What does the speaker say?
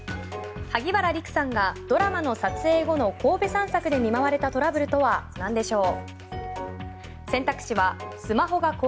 萩原利久さんがドラマの撮影後の神戸散策で見舞われたトラブルとは何でしょう。